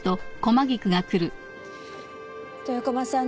豊駒さん